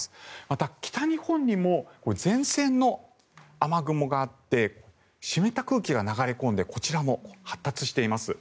また、北日本にも前線の雨雲があって湿った空気が流れ込んでこちらも発達しています。